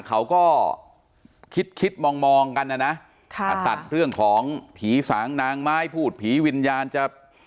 เขาก็คิดคิดมองกันนะนะตัดเรื่องของผีสางนางไม้พูดผีวิญญาณจะ